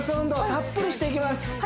たっぷりしていきます